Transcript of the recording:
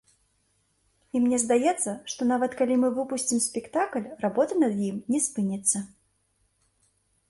І мне здаецца, што нават калі мы выпусцім спектакль, работа над ім не спыніцца.